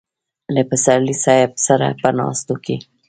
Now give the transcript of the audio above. له پسرلي صاحب سره په ناستو کې.